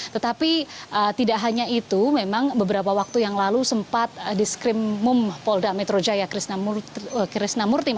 tetapi tidak hanya itu memang beberapa waktu yang lalu sempat di skrimmum polda metro jaya krishnamurti